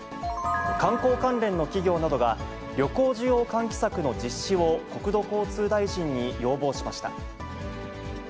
観光関連の企業などが、旅行需要喚起策の実施を国土交通大臣に要望しました。